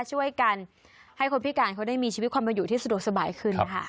ช่วยกันให้คนพิการเขาได้มีชีวิตความเป็นอยู่ที่สะดวกสบายขึ้นนะคะ